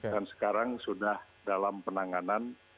dan sekarang sudah dalam penanganan